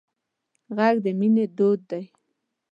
غږ د مینې داوود دی